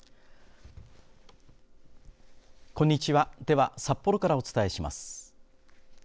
こんにちはでは札幌からお伝えします。